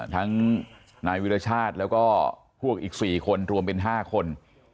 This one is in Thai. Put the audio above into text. ทั้งนายวิรชาติแล้วก็พวกอีก๔คนรวมเป็น๕คน